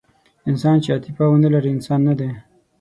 انسان چې عاطفه ونهلري، انسان نهدی.